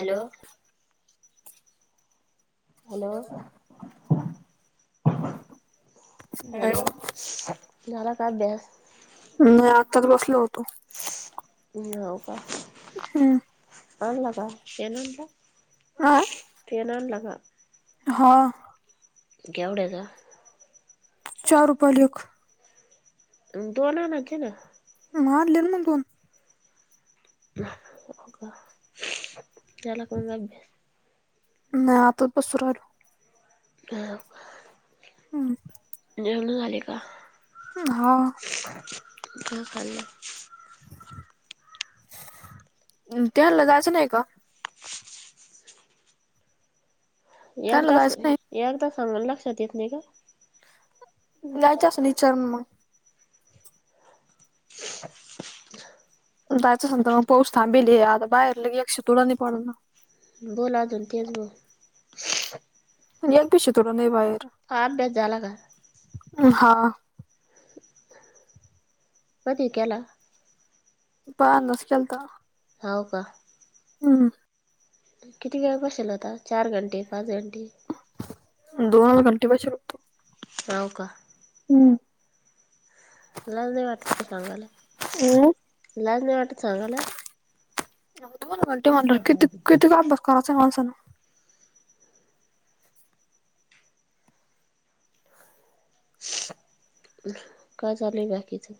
Hello. Hello. Hello. झाला का अभ्यास? नाही आत्ताच बसलो होतो. हो का? हम्. आणला का? पेन आणला? काय पेन आणला का? हा. केवढ्याचा? चार रुपयाला एक. आन दोन आणा की ना. आणि आणले म दोन. हो का? झाला का म अभ्यास? नाही आताच बसू राह्यलो. [unintelligible] हम्. जेवण झाले का? अं हा. [unintelligible] अं त्यानला जायचं नाही का? त्यांना एकदास जायचं नाही एकदा सांगून लक्षात येत नाही का? जायचं असं ना विचारण मग. जायचं असलं तर मग पाऊस थांबेल ए. आता बाहेर लगे एक शितोडा नाही पडेल ना. बोलअजून तेच बोल. एक बी शितोडा नाही बाहेर. अभ्यास झाला का? हा. कधी केला? [unintelligible] केलता. हाव का? हं. किती वेळ बसेला होता? आता चार घटी, पाच घंटी दोन घंटे बसलो होतो. होव का. हम्म. लाज नाही वाटत ते सांगाय, लाज नाही वाटत सांगायला. दोन घंटे म्हटल्यावर किती- किती अभ्यास करायचां मानसाने? काय चालुय बाकीचं?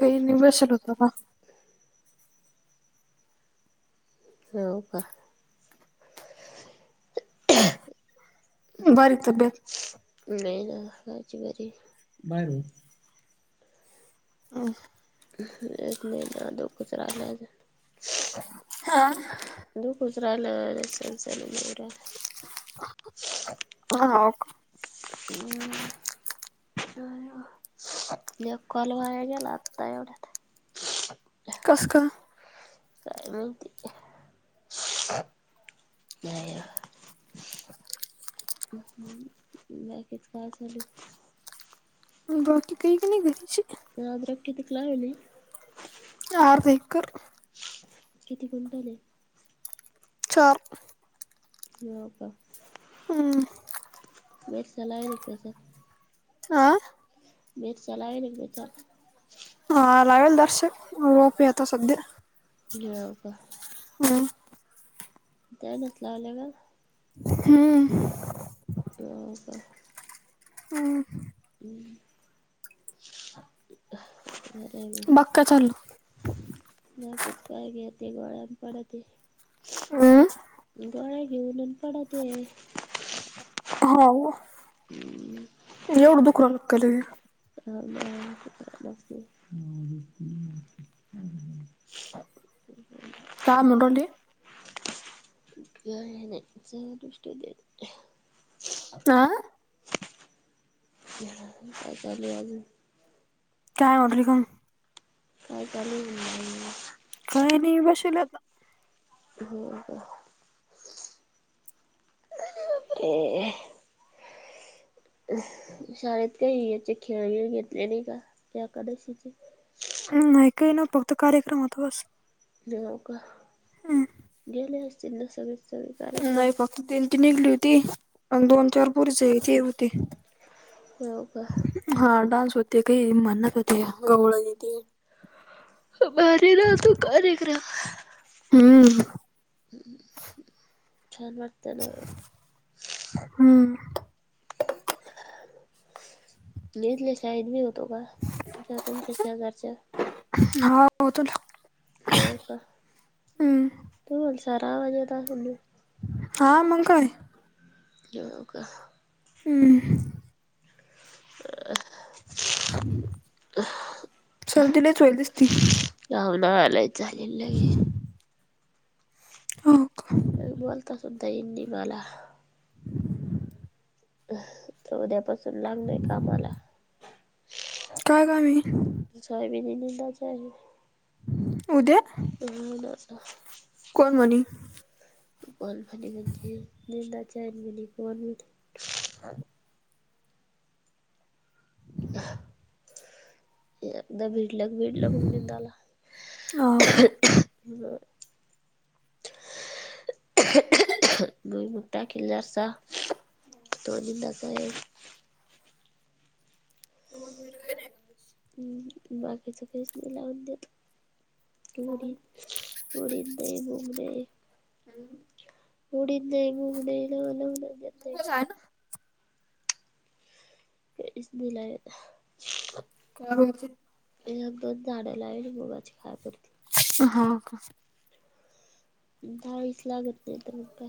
काही नाही बसेल होतो बा. हो का. बरी तब्येत. नाहीन आज बरी, बाहेर हो. हं. नाही तर [unintelligible] हा दु गुजरा [unintelligible] ह [unintelligible] हम् [inaudible] या [unintelligible] एक कॉल वाया गेला आता एवढ्यात. कस काय? काय माहीती नाही. बाकीच काय चालूये? बाकी काही [unintelligible] क नाही घरचे, हे अद्रक कितिक लावेली? अर्धा एकर. किती गुंतवले? चार. हो का? हम्म. मिरच्या लावेल का त्याचात? आंऽ मिरच्या लावेले का? त्याच्यात हा लागेल दर्शक, ओपी आता सध्या. गिळाव का? हम्म त्यानच लावले का? हम्म. हो का? हम्म. [unintelligible] बरंय मग बाक्का चालू [unintelligible] बाकीच [unintelligible] गोळ्या अन् पडते. हम्म गोळ्या घेऊन पडते. [unintelligible] [inaudible] एवढं दुखू रायलं का लगे? हो ना. काम. [unintelligible] नाय नाय हा [unintelligible] काय चालुय अजून? [unintelligible] काय चालुय मनलं मंग? काय नी बशेले आता. हो का. ए शाळेत काई याचे खेळ गीळ घेतले नई का एकादशीचे? हं नाई काई ना, फक्त कार्यक्रम होता बस. हो का, गेले असतील ना सगळेच सगळे. कार्यक्रम नाई फक्त दिंडी निघली होती, अन दोन चार पोरीसये ते होते. हो का. हां डान्स होते काई, म्हण्णत होत्या गवळणी ती. भारी राहतो कार्यक्रम. हम्म छान वाटतं ना. हम्म. निेजले शाळेतनं यीऊन. [unintelligible] तुमच्या शेजारच्या. हा. होतो ना. हो का हम्म. तुमाल सरा वाजत असण न. हा मंग काय. हो का. हमं. [unintelligible] सर्दी लयच होयेल दिसती? हाव ना लईच झालीन लई. हो. का? अं बोलता सुधा येईन नी मला. आता उद्यापासून लागणंय कामाला. काय काम ये? अन् सोयाबीनी नींदायचाये. उद्या? हं उद्याच. कोण म्हणी [unintelligible] [inaudible] एकदा भिडलं क भिडलं मंग निंदाला. हो का? [unintelligible] भुईमुग टाकेल जरसा. तो निंदाचाये. [unintelligible] हम् बाकीचं काईच नी लावुन देत. उडीद, उडीद नई, मुंग नई. उडीद नई, मुंग नई, लवु लवु नई देत. नाही तुझंचाय ना? [unintelligible] हा बोल की. इ दोन झाडं लाविल मुगाची खाय पुरत हां हां. दहावीस लागत नाही तर म काय.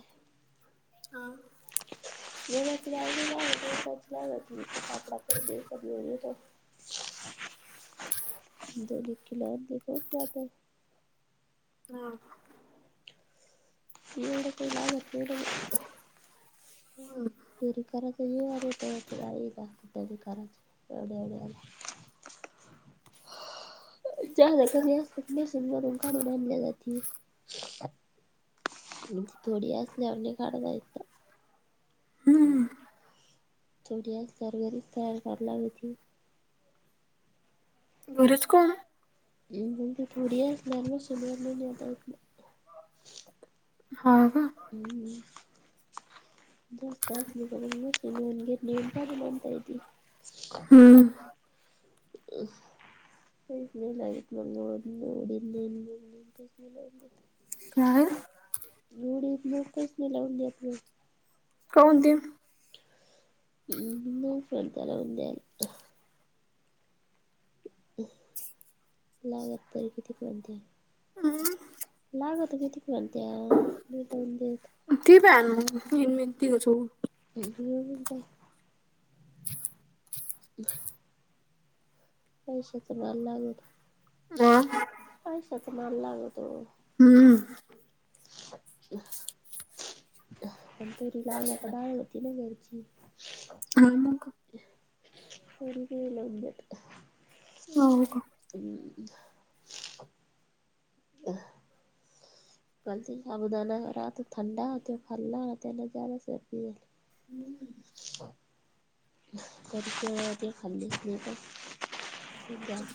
[unintelligible] दोडकी लावली तर जात्यात. हां. येवढं काही लागत नाही दोडक. तेरी कराच व जिवाव येत तरी कराच. एवढ एवढ्याला. जादा कमी असत मशीन वरून काढून आणल्या जातील. थोडी असल्यावर लई काडता येत का. थोडी असल्यावर घरीच तयार कराला लागती. घरच काऊ न? थोडी असल्यावर मशीनवर पण नेता येत नाई. हा का? हू हू. जास्त असल का म घेऊन [unintelligible] हम्म. [unintelligible] [unintelligible] काय? एवढी [unintelligible] लावून दित नाहीत. काऊन दीन? [unintelligible] लावून द्याले. लागतय तरी किती कोणत्या? हू हू. लागत किती करण त्या द देऊन देत. ठेवू काय मग? [unintelligible] हे आणि काय? [inaudible] बाय. पैशाच नाद लागत. हा पैशाच नाद लागत हो. हूम्म. हा. पण तूरी लावल्या का डाळ होती ना घरची? हा मग. [unintelligible] हाव का? [unintelligible] अ. गलती अबुदा ना थंडा ते खाल्ला तेन झाला सर्दी. कच ते खालीच नाही तर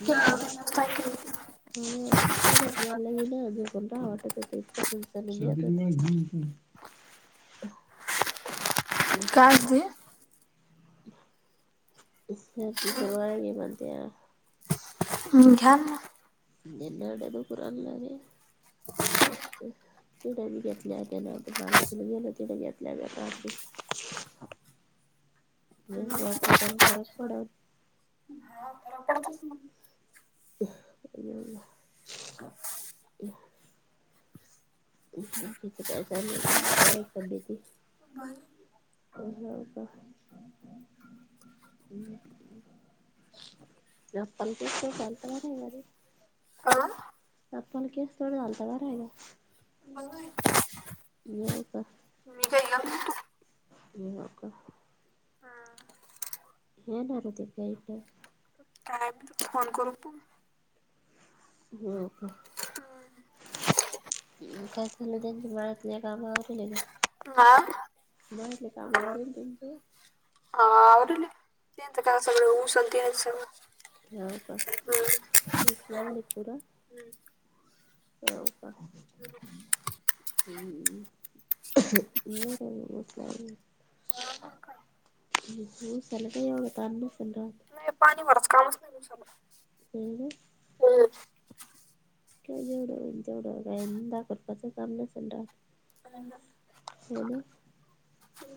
काय म्हणते? हम्म [unintelligible] च मला नाही इना कोण रा वाटत हो इतक चाल [inaudible] इ काय [unintelligible] ते? शर्दी च मारग बणते [unintelligible] घ्याना. नड कराला [unintelligible] तिडे घेतल्या त्या मानशला गेल ति घेतल्या [unintelligible] नाही वाटलं त्याना फरक पडल इ [unintelligible] काय चालु आहे तुमच्या गाड्या ही चालु असतील? उ का [unintelligible] हम्म. पणतीस चालत म [unintelligible] पण आ? आपला केस थोड घालता ब आहे का? बर आहे? नव्हता. का आहे? यु नको. हा, येणार होते का इकडं काय फोन करू पू हो काका झाल त्यांच्या मळ्यातल्या कामावरलय का मळ्यातल्या कामावर येल त्यांचे? हा आवरलेले त्यांचे काय सगळे ऊस अन तेच सगळ. हाव काय [unintelligible] पूरा. हाव का. इ [inaudible] हम् इ मस [unintelligible] नाही हं, हं चाल्या ताई वावरात? नाही पाणी भरायच कामच नाही होय ना [unintelligible] हम्म. जेव जेवढ गायन दाखवपाचं काम नसेल रा [unintelligible] बज [inaudible]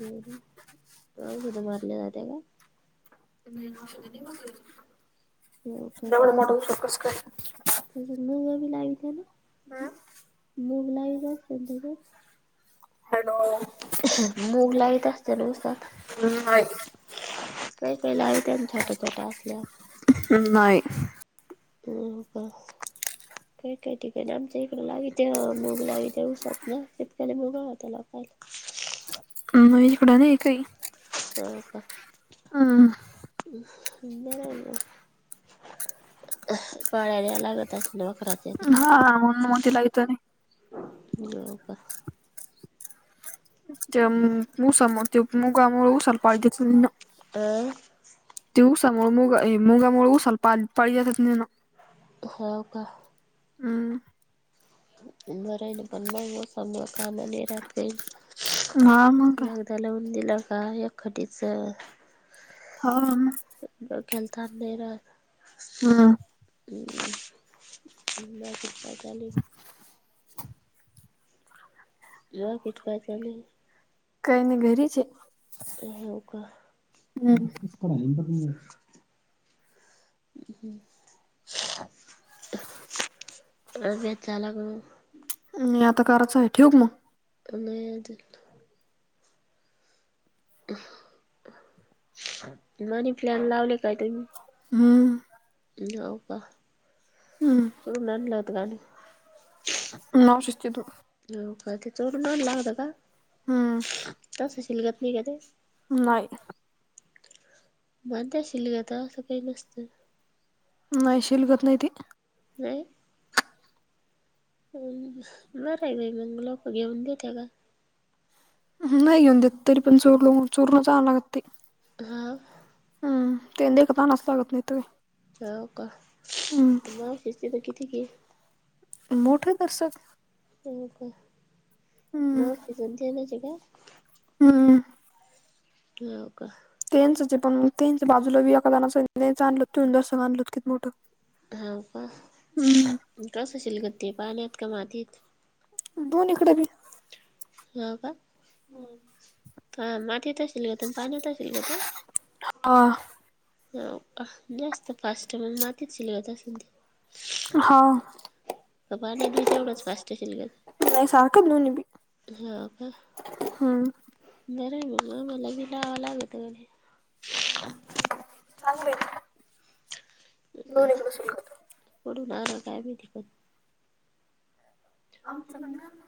हो का क त मारलेला जातात का [unintelligible] हो एवढ मोठा ऊशेर कसं काय? म भी लागथ ना. [unintelligible] मुगलाई दसधच्या हॅलो गं. [unintelligible] मूग लाईत असते नौसात. नाही काही काही लावित्या छोटा, छोटा असल्यावर. नाही. हो का, ठिक हे, ठिक हे आमच्या इकडे लावीत ते मुग लावित्या उसात ना तितका मुगा त्याला पाय आम्हा इकडं नाही काही. हो का. हम्म ‌. बर पळायला यात लागत असतय. दहा अकराचे ते हा म्हणून मग तिला इथं नाही ने जाऊ का? त्या उसामुळे ते मुगामुळे उसाल पाणी देत नाही ना. अ ते ऊसामुळे मुग मुगामुळे ऊसाला पाळी देता येत नाही ना. हो का हम्म‌. बर आहे पण, म ऊसाला कामं लय राहतय. हा, मग काय. ता लावून दिला का एखादीच. हा. डोक्याला ताप देनार. हम्म पचाली. [inaudible] ह किच कायच नाही. काही नाही घरीच आहे [inaudible] हो का. हम्म हम्म्म. अभ्यास झाला म्हणून. मी आता करायचं आहे, ठेऊ का. आणि नाही. प्लॅन लावले काय हम्म तुम्ही? हो का. हम्म उनातला त्रास काणी. माऊशीच्यात हो का, बाकी चोरून अनला होता का? हम्म तसंशल कात मी क ते. [inaudible] नाही. भणतशिल गता असं काही नसतं. मायशील गत नाही ती. नाही. बरं आहे बाई, मग लोक घेऊन देते का? [inaudible] नाही घेऊन देत, तरी पण चोर चोरला आनाव लागत ते. हा. हम्म, ते देखतानाच लागत नाही ते. हो का, ना शिस्ते तर किती. [inaudible] मोठत कसं हम्म हम्म. हम्म [inaudible] हा. हो का तेच पण तेच बाजूला बी एकादाच आणलो ती दस आणलोत किती मोठं [inaudible] हा का हम्म कसं शिलगत ते पाण्यात का मातीत. दोन्ही कडे बी हा का हा माती त शिलगत अन् पाण्यात शीलगत. हा जास्त फास्टम मग मातीच शीलगत असेल मग ते हा क पान्या बि तेवढंच फास्ट शीलगत नाही सारखंच दोन्ही बी. हा का हम्म बर मला मला बि लावावं लागत गडे [inaudible] चांगले हे दोन्ही कड सुरू पडून हाय काय मी तिकत [inaudible] ह सल ना [inaudible]